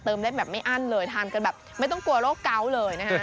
ได้แบบไม่อั้นเลยทานกันแบบไม่ต้องกลัวโรคเกาะเลยนะฮะ